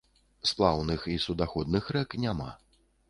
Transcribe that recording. Сплаўных і суднаходных рэк няма.